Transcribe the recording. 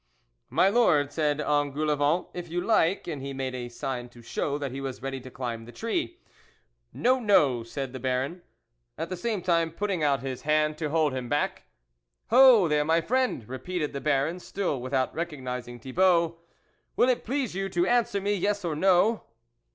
" My Lord " said Engoulevent " if you like ...," and he made a sign to show that he was ready to climb the tree. " No, no," said the Baron, at the same time putting out his hand to hold him back. " Ho, there, my friend !" repeated the Baron still without recognising Thibault, "will it please you to answer me, yes or no."